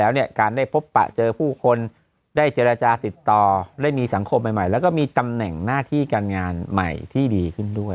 แล้วเนี่ยการได้พบปะเจอผู้คนได้เจรจาติดต่อได้มีสังคมใหม่แล้วก็มีตำแหน่งหน้าที่การงานใหม่ที่ดีขึ้นด้วย